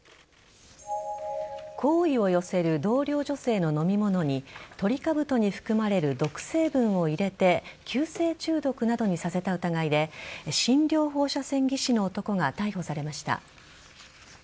好意を寄せる同僚女性の飲み物にトリカブトに含まれる毒成分を入れて急性中毒などにさせた疑いで診療放射線技師の男が逮捕されました。